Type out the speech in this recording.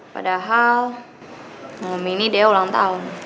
padahal ngumum ini dea ulang tahun